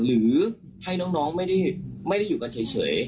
หรือให้น้องไม่ได้อยู่กันเฉย